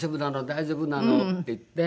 大丈夫なの？」って言って。